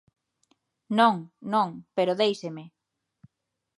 Non, non, pero déixeme.